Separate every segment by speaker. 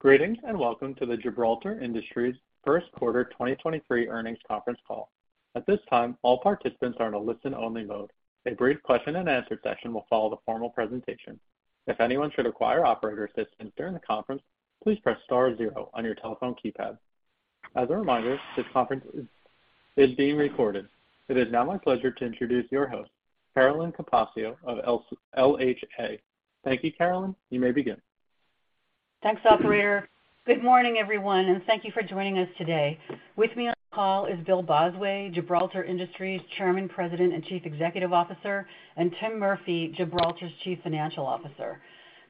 Speaker 1: Greetings, welcome to the Gibraltar Industries First Quarter 2023 Earnings Conference Call. At this time, all participants are in a listen-only mode. A brief question-and-answer session will follow the formal presentation. If anyone should require operator assistance during the conference, please press star zero on your telephone keypad. As a reminder, this conference is being recorded. It is now my pleasure to introduce your host, Carolyn Capaccio of LHA. Thank you, Carolyn. You may begin.
Speaker 2: Thanks, operator. Good morning, everyone, and thank you for joining us today. With me on the call is Bill Bosway, Gibraltar Industries Chairman, President, and Chief Executive Officer, and Tim Murphy, Gibraltar's Chief Financial Officer.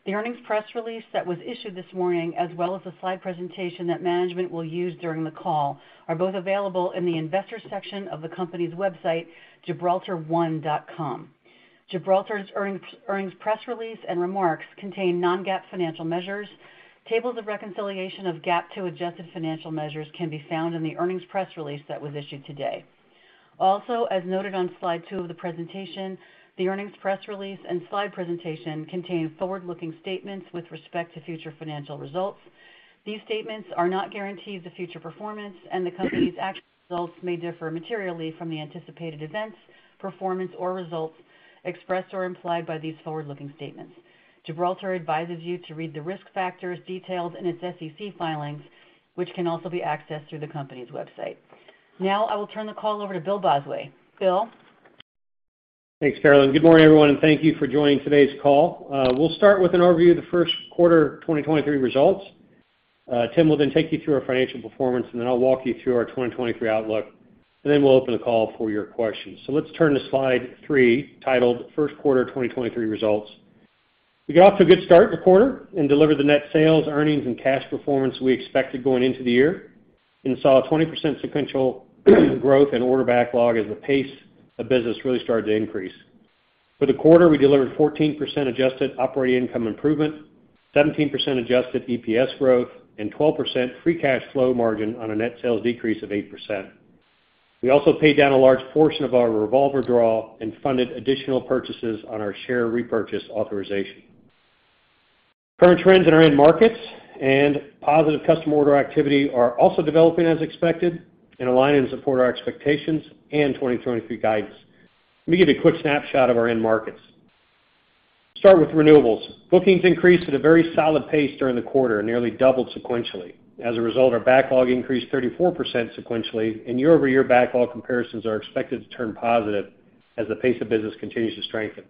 Speaker 2: The earnings press release that was issued this morning, as well as the slide presentation that management will use during the call, are both available in the investors section of the company's website, gibraltar1.com. Gibraltar's earnings press release and remarks contain non-GAAP financial measures. Tables of reconciliation of GAAP to adjusted financial measures can be found in the earnings press release that was issued today. Also, as noted on slide 2 of the presentation, the earnings press release and slide presentation contain forward-looking statements with respect to future financial results. These statements are not guarantees of future performance. The company's actual results may differ materially from the anticipated events, performance, or results expressed or implied by these forward-looking statements. Gibraltar advises you to read the risk factors detailed in its SEC filings, which can also be accessed through the company's website. Now, I will turn the call over to Bill Bosway. Bill?
Speaker 3: Thanks, Carolyn. Good morning, everyone, and thank you for joining today's call. We'll start with an overview of the first quarter 2023 results. Tim will take you through our financial performance, and I'll walk you through our 2023 outlook, and we'll open the call for your questions. Let's turn to slide 3, titled First Quarter 2023 Results. We got off to a good start in the quarter and delivered the net sales, earnings, and cash performance we expected going into the year and saw a 20% sequential growth and order backlog as the pace of business really started to increase. For the quarter, we delivered 14% Adjusted operating income improvement, 17% Adjusted EPS growth, and 12% free cash flow margin on a net sales decrease of 8%. We also paid down a large portion of our revolver draw and funded additional purchases on our share repurchase authorization. Current trends in our end markets and positive customer order activity are also developing as expected and align and support our expectations and 2023 guidance. Let me give you a quick snapshot of our end markets. Start with renewables. Bookings increased at a very solid pace during the quarter and nearly doubled sequentially. As a result, our backlog increased 34% sequentially, and year-over-year backlog comparisons are expected to turn positive as the pace of business continues to strengthen.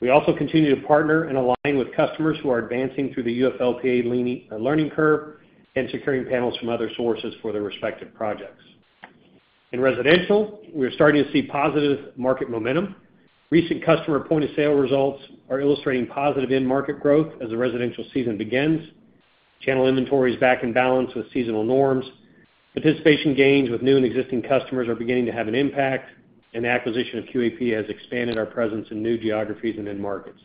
Speaker 3: We also continue to partner and align with customers who are advancing through the UFLPA learning curve and securing panels from other sources for their respective projects. In residential, we're starting to see positive market momentum. Recent customer point-of-sale results are illustrating positive end market growth as the residential season begins. Channel inventory is back in balance with seasonal norms. Participation gains with new and existing customers are beginning to have an impact. The acquisition of QAP has expanded our presence in new geographies and end markets.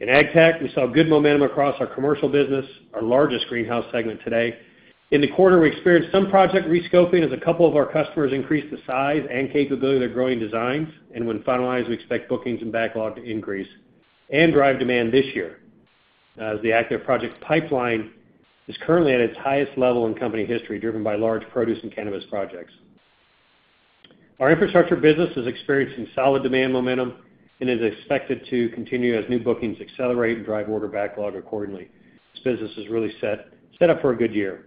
Speaker 3: In AgTech, we saw good momentum across our commercial business, our largest greenhouse segment today. In the quarter, we experienced some project rescoping as a couple of our customers increased the size and capability of their growing designs. When finalized, we expect bookings and backlog to increase and drive demand this year, as the active project pipeline is currently at its highest level in company history, driven by large produce and cannabis projects. Our infrastructure business is experiencing solid demand momentum and is expected to continue as new bookings accelerate and drive order backlog accordingly. This business is really set up for a good year.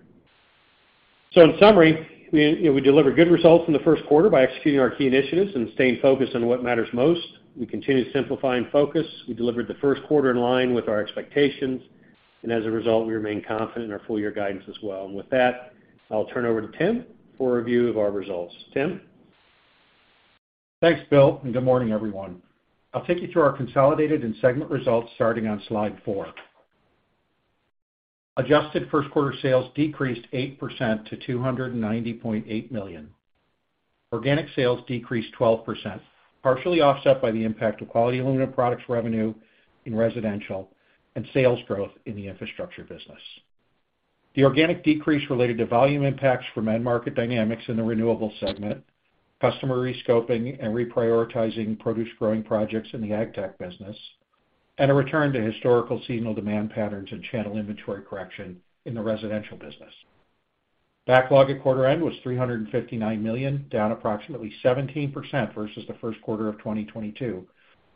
Speaker 3: In summary, we, you know, we delivered good results in the first quarter by executing our key initiatives and staying focused on what matters most. We continue to simplify and focus. We delivered the first quarter in line with our expectations. As a result, we remain confident in our full year guidance as well. With that, I'll turn over to Tim for a review of our results. Tim?
Speaker 4: Thanks, Bill, and good morning, everyone. I'll take you through our consolidated and segment results starting on slide 4. Adjusted first quarter sales decreased 8% to $290.8 million. Organic sales decreased 12%, partially offset by the impact of Quality Aluminum Products revenue in residential and sales growth in the infrastructure business. The organic decrease related to volume impacts from end market dynamics in the renewable segment, customer rescoping and reprioritizing produce growing projects in the ag tech business, and a return to historical seasonal demand patterns and channel inventory correction in the residential business. Backlog at quarter end was $359 million, down approximately 17% versus the first quarter of 2022,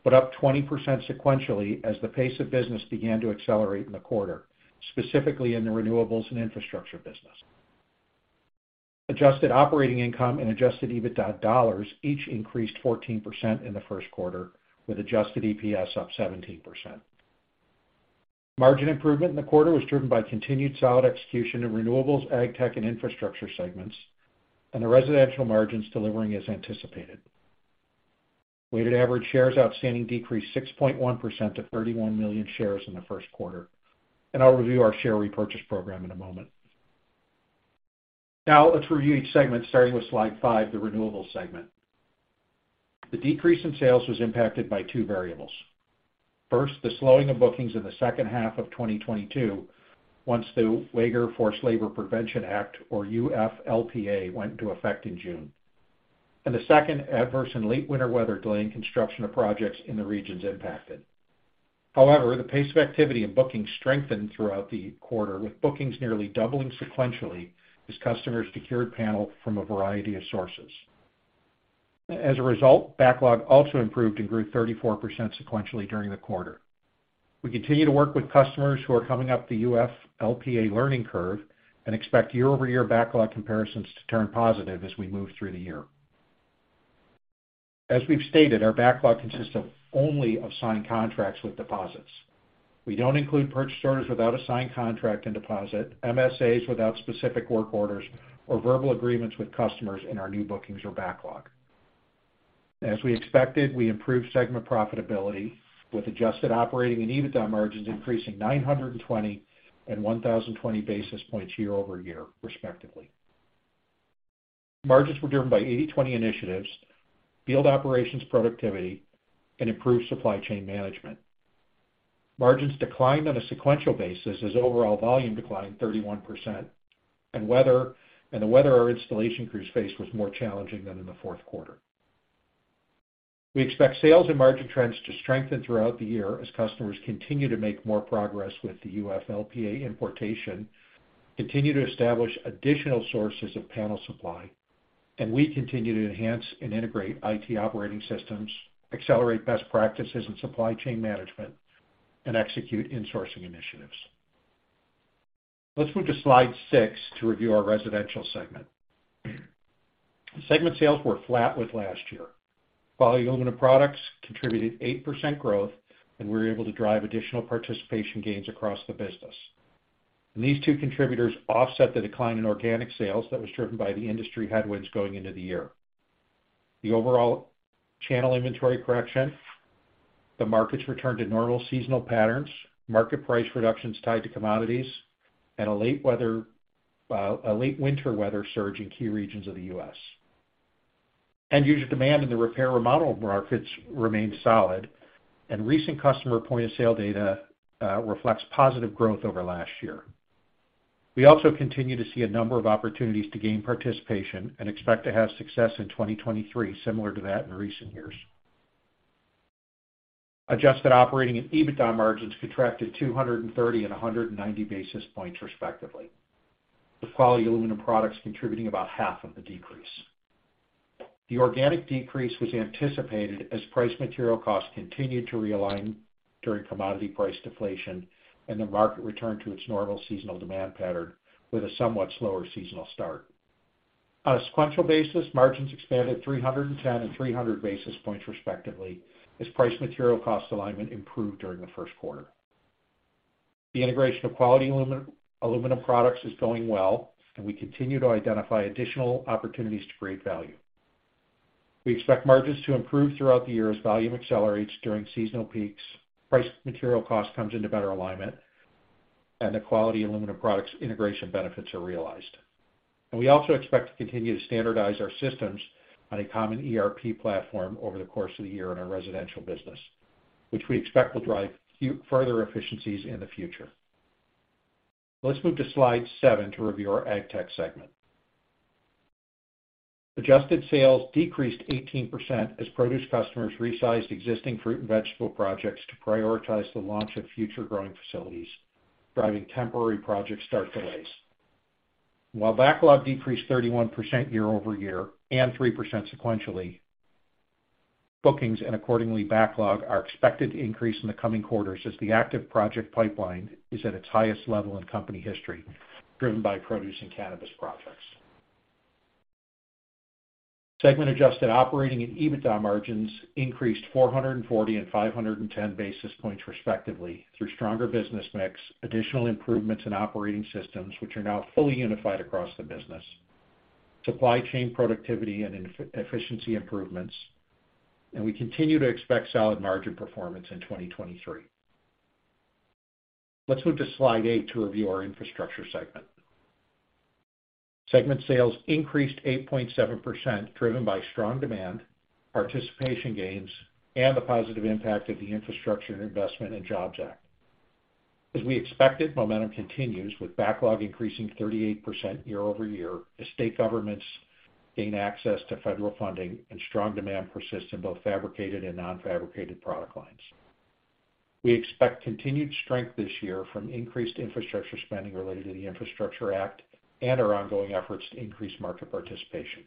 Speaker 4: but up 20% sequentially as the pace of business began to accelerate in the quarter, specifically in the renewables and infrastructure business. Adjusted operating income and Adjusted EBITDA dollars each increased 14% in the first quarter, with Adjusted EPS up 17%. Margin improvement in the quarter was driven by continued solid execution in renewables, ag tech, and infrastructure segments, the residential margins delivering as anticipated. Weighted average shares outstanding decreased 6.1% to 31 million shares in the first quarter. I'll review our share repurchase program in a moment. Now let's review each segment starting with slide 5, the renewables segment. The decrease in sales was impacted by 2 variables. First, the slowing of bookings in the second half of 2022 once the Uyghur Forced Labor Prevention Act, or UFLPA, went into effect in June. The second, adverse and late winter weather delaying construction of projects in the regions impacted. The pace of activity in bookings strengthened throughout the quarter, with bookings nearly doubling sequentially as customers secured panel from a variety of sources. As a result, backlog also improved and grew 34% sequentially during the quarter. We continue to work with customers who are coming up the UFLPA learning curve and expect year-over-year backlog comparisons to turn positive as we move through the year. As we've stated, our backlog consists of only of signed contracts with deposits. We don't include purchase orders without a signed contract and deposit, MSAs without specific work orders or verbal agreements with customers in our new bookings or backlog. As we expected, we improved segment profitability with adjusted operating and EBITDA margins increasing 920 and 1,020 basis points year-over-year, respectively. Margins were driven by 80/20 initiatives, field operations productivity, and improved supply chain management. Margins declined on a sequential basis as overall volume declined 31% and the weather our installation crews faced was more challenging than in the fourth quarter. We expect sales and margin trends to strengthen throughout the year as customers continue to make more progress with the UFLPA importation, continue to establish additional sources of panel supply, and we continue to enhance and integrate IT operating systems, accelerate best practices in supply chain management, and execute insourcing initiatives. Let's move to slide 6 to review our residential segment. Segment sales were flat with last year. Quality Aluminum Products contributed 8% growth, and we were able to drive additional participation gains across the business. These two contributors offset the decline in organic sales that was driven by the industry headwinds going into the year. The overall channel inventory correction, the market's return to normal seasonal patterns, market price reductions tied to commodities, and a late winter weather surge in key regions of the U.S. End-user demand in the repair remodel markets remained solid, and recent customer point-of-sale data reflects positive growth over last year. We also continue to see a number of opportunities to gain participation and expect to have success in 2023 similar to that in recent years. Adjusted operating and EBITDA margins contracted 230 and 190 basis points respectively, with Quality Aluminum Products contributing about half of the decrease. The organic decrease was anticipated as price material costs continued to realign during commodity price deflation and the market returned to its normal seasonal demand pattern with a somewhat slower seasonal start. On a sequential basis, margins expanded 310 and 300 basis points respectively as price material cost alignment improved during the first quarter. The integration of Quality Aluminum Products is going well. We continue to identify additional opportunities to create value. We expect margins to improve throughout the year as volume accelerates during seasonal peaks, price material cost comes into better alignment, and the Quality Aluminum Products integration benefits are realized. We also expect to continue to standardize our systems on a common ERP platform over the course of the year in our residential business, which we expect will drive further efficiencies in the future. Let's move to slide 7 to review our AgTech segment. Adjusted sales decreased 18% as produce customers resized existing fruit and vegetable projects to prioritize the launch of future growing facilities, driving temporary project start delays. While backlog decreased 31% year-over-year and 3% sequentially, bookings and accordingly backlog are expected to increase in the coming quarters as the active project pipeline is at its highest level in company history, driven by produce and cannabis projects. Segment adjusted operating and EBITDA margins increased 440 and 510 basis points respectively through stronger business mix, additional improvements in operating systems which are now fully unified across the business, supply chain productivity and efficiency improvements, we continue to expect solid margin performance in 2023. Let's move to slide 8 to review our infrastructure segment. Segment sales increased 8.7%, driven by strong demand, participation gains, and the positive impact of the Infrastructure Investment and Jobs Act. As we expected, momentum continues, with backlog increasing 38% year-over-year as state governments gain access to federal funding and strong demand persists in both fabricated and non-fabricated product lines. We expect continued strength this year from increased infrastructure spending related to the Infrastructure Act and our ongoing efforts to increase market participation.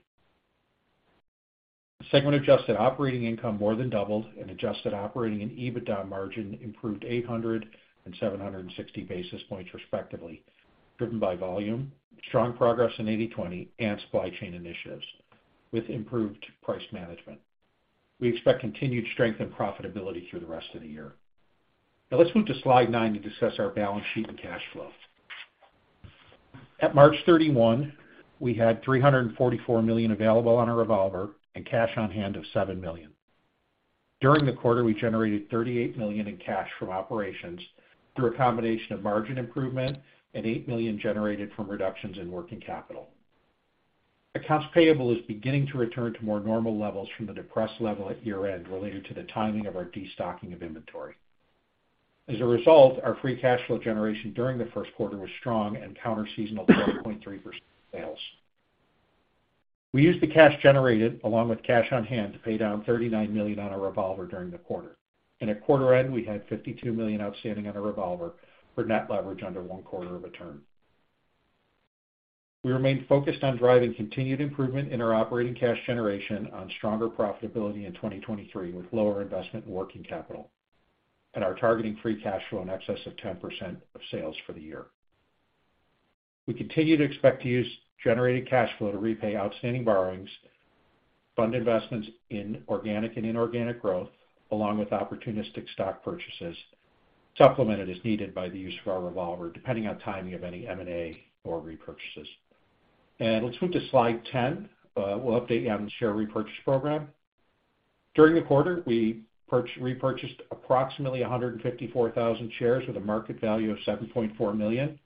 Speaker 4: Segment adjusted operating income more than doubled and adjusted operating and EBITDA margin improved 800 and 760 basis points respectively, driven by volume, strong progress in 80/20, and supply chain initiatives with improved price management. We expect continued strength and profitability through the rest of the year. Let's move to slide 9 to discuss our balance sheet and cash flow. At March 31, we had $344 million available on our revolver and cash on hand of $7 million. During the quarter, we generated $38 million in cash from operations through a combination of margin improvement and $8 million generated from reductions in working capital. Accounts payable is beginning to return to more normal levels from the depressed level at year-end related to the timing of our destocking of inventory. As a result, our free cash flow generation during the first quarter was strong and counter-seasonal to 0.3% sales. We used the cash generated along with cash on hand to pay down $39 million on our revolver during the quarter. At quarter end, we had $52 million outstanding on our revolver for net leverage under one quarter of a turn. We remain focused on driving continued improvement in our operating cash generation on stronger profitability in 2023 with lower investment and working capital. Are targeting free cash flow in excess of 10% of sales for the year. We continue to expect to use generated cash flow to repay outstanding borrowings, fund investments in organic and inorganic growth, along with opportunistic stock purchases, supplemented as needed by the use of our revolver, depending on timing of any M&A or repurchases. Let's move to slide 10. We'll update you on the share repurchase program. During the quarter, we repurchased approximately 154,000 shares with a market value of $7.4 million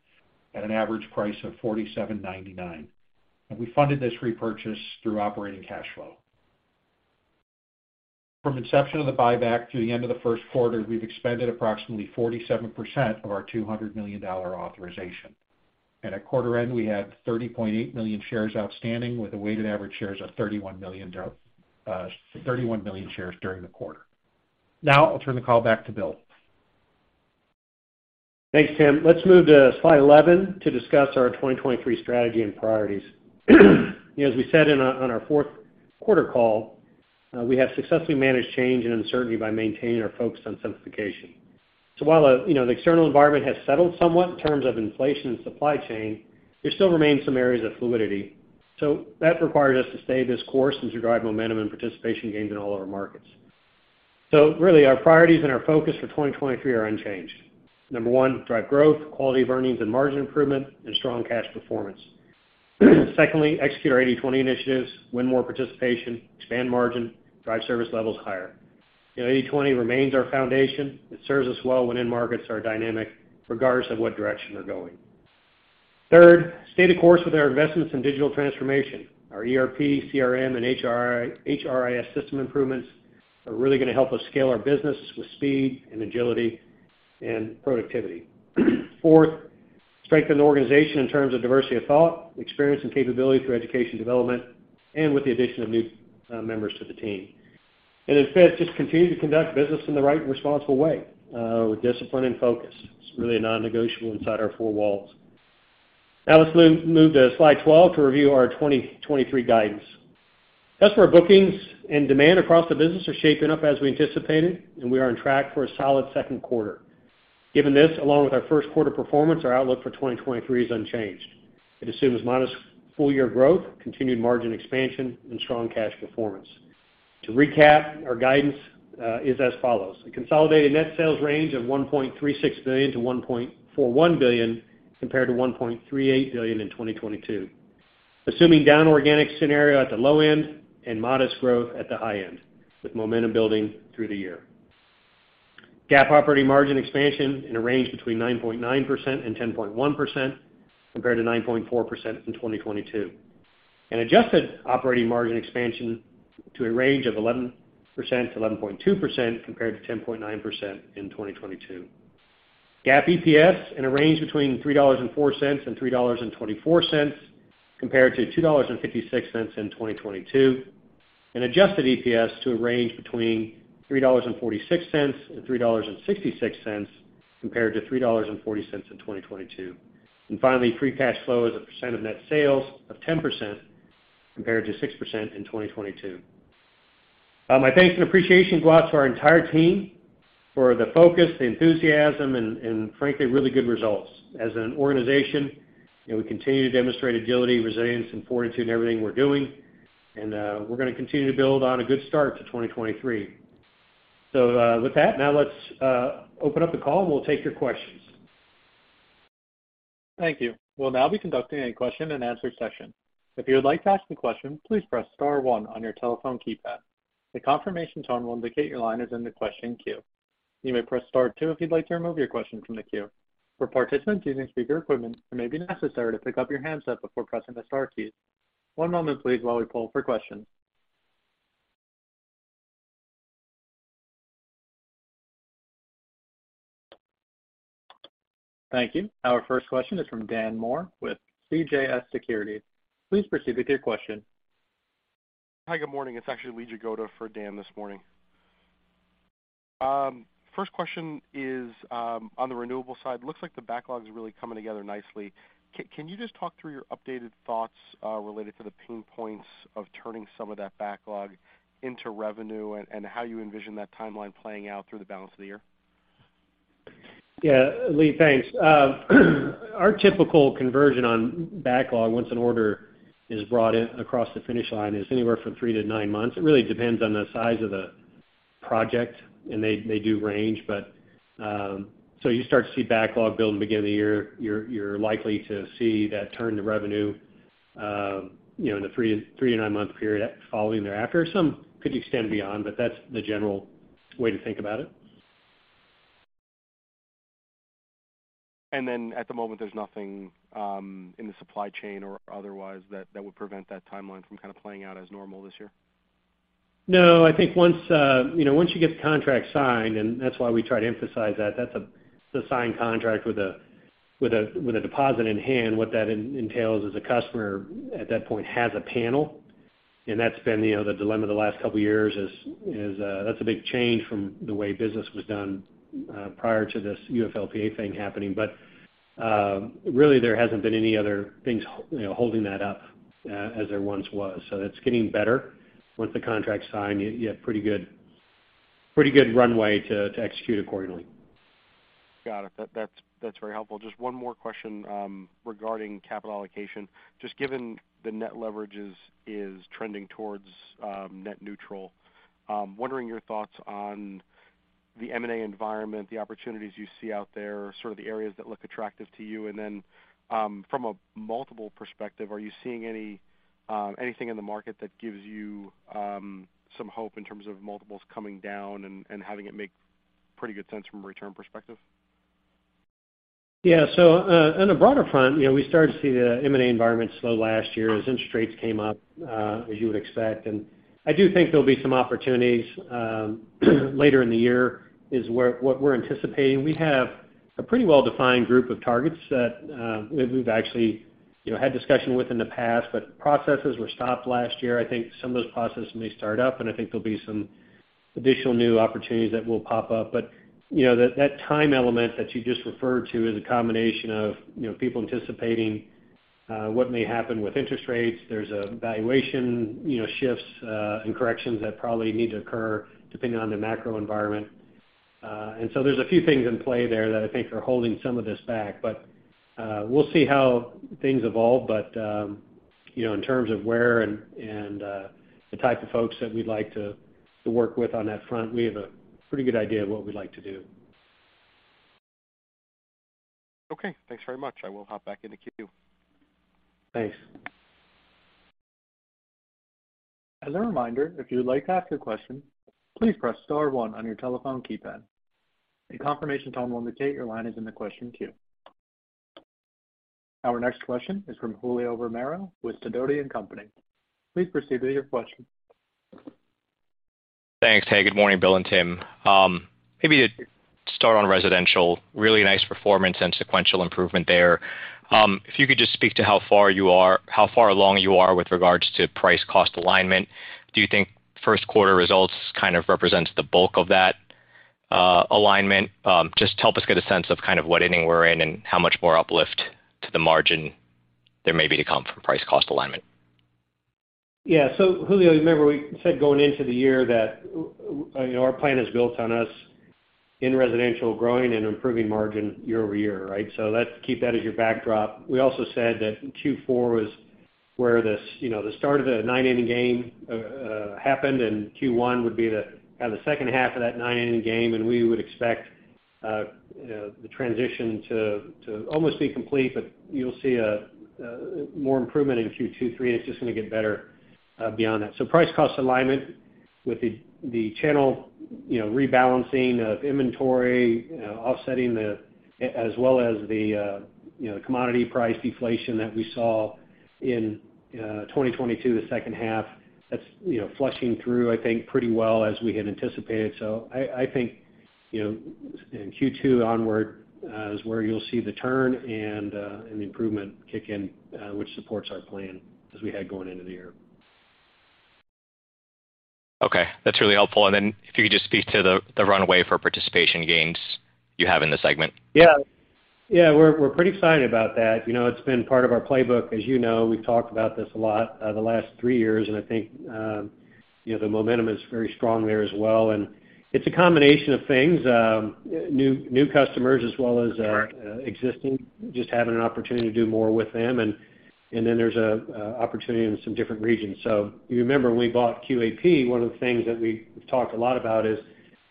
Speaker 4: at an average price of $47.99. We funded this repurchase through operating cash flow. From inception of the buyback to the end of the first quarter, we've expended approximately 47% of our $200 million authorization. At quarter end, we had 30.8 million shares outstanding with a weighted average shares of 31 million shares during the quarter. Now I'll turn the call back to Bill.
Speaker 3: Thanks, Tim. Let's move to slide 11 to discuss our 2023 strategy and priorities. You know, as we said in our, on our fourth quarter call, we have successfully managed change and uncertainty by maintaining our focus on simplification. While, you know, the external environment has settled somewhat in terms of inflation and supply chain, there still remains some areas of fluidity. That requires us to stay this course as we drive momentum and participation gains in all of our markets. Really, our priorities and our focus for 2023 are unchanged. Number 1, drive growth, quality of earnings and margin improvement, and strong cash performance. Secondly, execute our 80/20 initiatives, win more participation, expand margin, drive service levels higher. You know, 80/20 remains our foundation. It serves us well when end markets are dynamic regardless of what direction they're going. Third, stay the course with our investments in digital transformation. Our ERP, CRM, and HRIS system improvements are really gonna help us scale our business with speed and agility and productivity. Fourth, strengthen the organization in terms of diversity of thought, experience and capability through education development, and with the addition of new members to the team. Fifth, just continue to conduct business in the right and responsible way, with discipline and focus. It's really a non-negotiable inside our four walls. Now let's move to slide 12 to review our 2023 guidance. Customer bookings and demand across the business are shaping up as we anticipated, and we are on track for a solid second quarter. Given this, along with our first quarter performance, our outlook for 2023 is unchanged. It assumes modest full-year growth, continued margin expansion, and strong cash performance. To recap, our guidance is as follows: A consolidated net sales range of $1.36 billion-$1.41 billion, compared to $1.38 billion in 2022. Assuming down organic scenario at the low end and modest growth at the high end, with momentum building through the year. GAAP operating margin expansion in a range between 9.9% and 10.1%, compared to 9.4% in 2022. An adjusted operating margin expansion to a range of 11%-11.2%, compared to 10.9% in 2022. GAAP EPS in a range between $3.04 and $3.24, compared to $2.56 in 2022. An Adjusted EPS to a range between $3.46 and $3.66, compared to $3.40 in 2022. Finally, free cash flow as a percent of net sales of 10%, compared to 6% in 2022. My thanks and appreciation go out to our entire team for the focus, the enthusiasm and frankly, really good results. As an organization, you know, we continue to demonstrate agility, resilience and fortitude in everything we're doing, and we're gonna continue to build on a good start to 2023. With that, now let's open up the call, and we'll take your questions.
Speaker 1: Thank you. We'll now be conducting a question and answer session. If you would like to ask a question, please press star one on your telephone keypad. The confirmation tone will indicate your line is in the question queue. You may press star twoif you'd like to remove your question from the queue. For participants using speaker equipment, it may be necessary to pick up your handset before pressing the star key. One moment please while we poll for questions. Thank you. Our first question is from Dan Moore with CJS Securities. Please proceed with your question.
Speaker 5: Hi, good morning. It's actually Lee Jagoda for Dan this morning. First question is on the renewable side. Looks like the backlog's really coming together nicely. Can you just talk through your updated thoughts related to the pain points of turning some of that backlog into revenue and how you envision that timeline playing out through the balance of the year?
Speaker 3: Yeah. Lee, thanks. Our typical conversion on backlog, once an order is brought in across the finish line, is anywhere from 3-9 months. It really depends on the size of the project, and they do range, but. You start to see backlog build at the beginning of the year. You're likely to see that turn to revenue, you know, in the 3-9-month period following thereafter. Some could extend beyond, but that's the general way to think about it.
Speaker 5: At the moment, there's nothing in the supply chain or otherwise that would prevent that timeline from kind of playing out as normal this year?
Speaker 3: No, I think once, you know, once you get the contract signed, that's why we try to emphasize that's the signed contract with a, with a, with a deposit in hand, what that entails is a customer at that point has a panel. That's been, you know, the dilemma the last couple of years is, that's a big change from the way business was done, prior to this UFLPA thing happening. Really there hasn't been any other things, you know, holding that up, as there once was. That's getting better. Once the contract's signed, you have pretty good runway to execute accordingly.
Speaker 5: Got it. That's very helpful. Just one more question regarding capital allocation. Just given the net leverage is trending towards net neutral, wondering your thoughts on the M&A environment, the opportunities you see out there, sort of the areas that look attractive to you. Then, from a multiple perspective, are you seeing anything in the market that gives you some hope in terms of multiples coming down and having it make pretty good sense from a return perspective?
Speaker 3: Yeah. On a broader front, you know, we started to see the M&A environment slow last year as interest rates came up, as you would expect. I do think there'll be some opportunities later in the year what we're anticipating. We have a pretty well-defined group of targets that we've actually, you know, had discussion with in the past, but processes were stopped last year. I think some of those processes may start up, and I think there'll be some additional new opportunities that will pop up. You know, that time element that you just referred to is a combination of, you know, people anticipating what may happen with interest rates. There's valuation, you know, shifts, and corrections that probably need to occur depending on the macro environment. There's a few things in play there that I think are holding some of this back. We'll see how things evolve. You know, in terms of where and the type of folks that we'd like to work with on that front, we have a pretty good idea of what we'd like to do.
Speaker 5: Okay. Thanks very much. I will hop back in the queue.
Speaker 3: Thanks.
Speaker 1: As a reminder, if you'd like to ask a question, please press star one on your telephone keypad. A confirmation tone will indicate your line is in the question queue. Our next question is from Julio Romero with Sidoti & Company. Please proceed with your question.
Speaker 6: Thanks. Hey, good morning, Bill and Tim. Maybe to start on residential, really nice performance and sequential improvement there. If you could just speak to how far along you are with regards to price cost alignment. Do you think first quarter results kind of represents the bulk of that alignment? Just help us get a sense of kind of what inning we're in and how much more uplift to the margin there may be to come from price cost alignment.
Speaker 3: Julio, you remember we said going into the year that, you know, our plan is built on us in residential growing and improving margin year-over-year, right? Let's keep that as your backdrop. We also said that Q4 was where this, you know, the start of the nine-inning game happened, and Q1 would be the kind of the second half of that nine-inning game, and we would expect, you know, the transition to almost be complete. You'll see more improvement in Q2, 3, and it's just gonna get better beyond that. Price cost alignment with the channel, you know, rebalancing of inventory, offsetting the as well as the, you know, commodity price deflation that we saw in 2022, the second half. That's, you know, flushing through, I think, pretty well as we had anticipated. I think, you know, in Q2 onward, is where you'll see the turn and the improvement kick in, which supports our plan as we had going into the year.
Speaker 6: Okay. That's really helpful. Then if you could just speak to the runway for participation gains you have in the segment?
Speaker 3: Yeah. Yeah. We're pretty excited about that. You know, it's been part of our playbook. As you know, we've talked about this a lot, the last three years, and I think, you know, the momentum is very strong there as well. It's a combination of things. New customers as well as.
Speaker 6: Sure...
Speaker 3: existing, just having an opportunity to do more with them. Then there's an opportunity in some different regions. You remember when we bought QAP, one of the things that we've talked a lot about is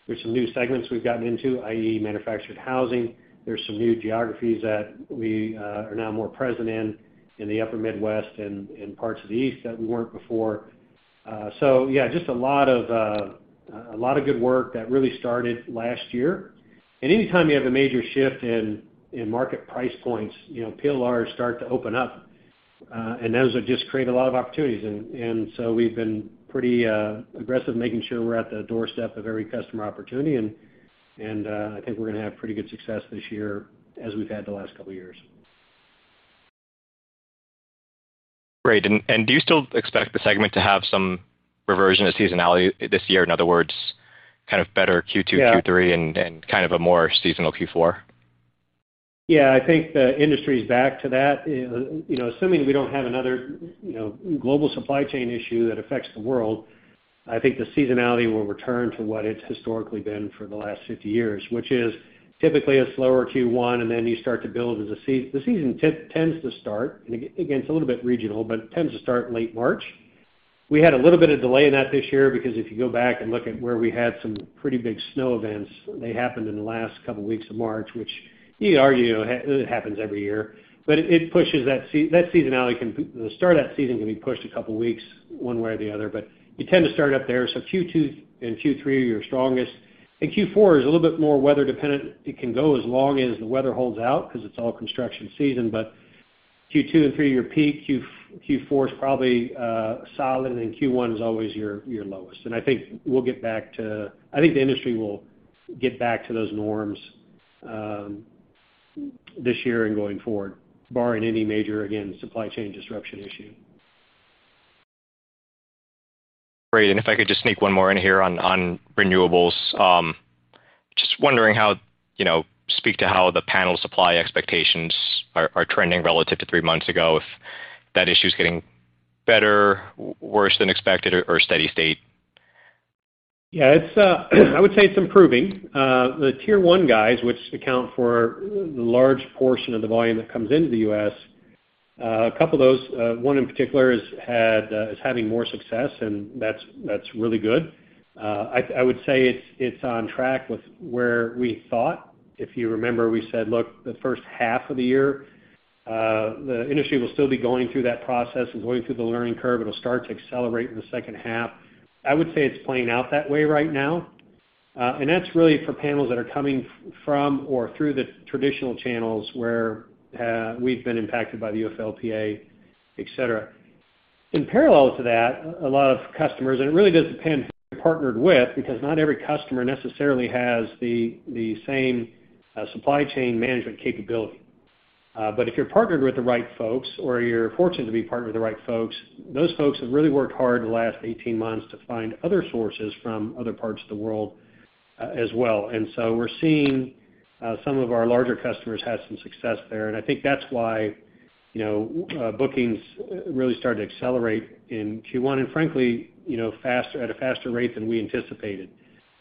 Speaker 3: there's some new segments we've gotten into, i.e. manufactured housing. There's some new geographies that we are now more present in the upper Midwest and in parts of the East that we weren't before. Yeah, just a lot of good work that really started last year. Anytime you have a major shift in market price points, you know, PLRs start to open up, and those will just create a lot of opportunities. So we've been pretty aggressive making sure we're at the doorstep of every customer opportunity. I think we're gonna have pretty good success this year as we've had the last couple years.
Speaker 6: Great. Do you still expect the segment to have some reversion of seasonality this year? In other words, kind of better Q2.
Speaker 3: Yeah...
Speaker 6: Q3 and kind of a more seasonal Q4?
Speaker 3: I think the industry's back to that. You know, assuming we don't have another, you know, global supply chain issue that affects the world, I think the seasonality will return to what it's historically been for the last 50 years, which is typically a slower Q1, and then you start to build as the season tends to start, and again, it's a little bit regional, but tends to start late March. We had a little bit of delay in that this year because if you go back and look at where we had some pretty big snow events, they happened in the last couple weeks of March, which you could argue it happens every year. It pushes that seasonality, the start of that season can be pushed a couple weeks one way or the other, but you tend to start up there. Q2 and Q3 are your strongest, and Q4 is a little bit more weather dependent. It can go as long as the weather holds out because it's all construction season. Q2 and 3 are your peak. Q4 is probably solid, and then Q1 is always your lowest. I think the industry will get back to those norms this year and going forward, barring any major, again, supply chain disruption issue.
Speaker 6: Great. If I could just sneak one more in here on renewables, just wondering how, you know, speak to how the panel supply expectations are trending relative to three months ago, if that issue is getting better, worse than expected or steady state.
Speaker 3: Yeah, it's, I would say it's improving. The tier one guys, which account for large portion of the volume that comes into the U.S., a couple of those, one in particular is having more success, and that's really good. I would say it's on track with where we thought. If you remember, we said, look, the first half of the year, the industry will still be going through that process and going through the learning curve. It'll start to accelerate in the second half. I would say it's playing out that way right now. That's really for panels that are coming from or through the traditional channels where, we've been impacted by the UFLPA, et cetera. In parallel to that, a lot of customers, and it really does depend who you're partnered with, because not every customer necessarily has the same supply chain management capability. But if you're partnered with the right folks or you're fortunate to be partnered with the right folks, those folks have really worked hard in the last 18 months to find other sources from other parts of the world as well. We're seeing some of our larger customers have some success there, and I think that's why, you know, bookings really started to accelerate in Q1. Frankly, you know, at a faster rate than we anticipated.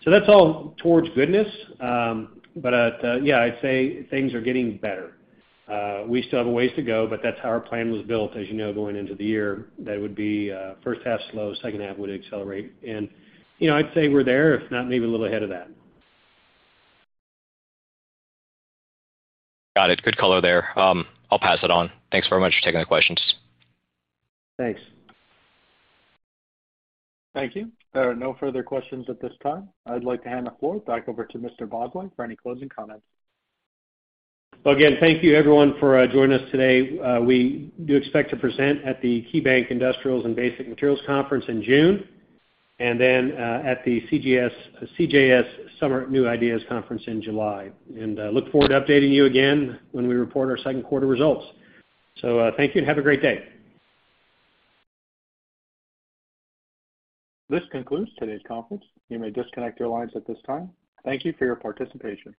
Speaker 3: That's all towards goodness. At, yeah, I'd say things are getting better. We still have a ways to go, but that's how our plan was built, as you know, going into the year. That would be, first half slow, second half would accelerate. You know, I'd say we're there, if not maybe a little ahead of that.
Speaker 6: Got it. Good color there. I'll pass it on. Thanks very much for taking the questions.
Speaker 3: Thanks.
Speaker 1: Thank you. There are no further questions at this time. I'd like to hand the floor back over to Mr. Bosway for any closing comments.
Speaker 3: Again, thank you everyone for joining us today. We do expect to present at the KeyBanc Industrials and Basic Materials Conference in June, and then at the CJS Summer New Ideas Conference in July. Look forward to updating you again when we report our second quarter results. Thank you and have a great day.
Speaker 1: This concludes today's conference. You may disconnect your lines at this time. Thank you for your participation.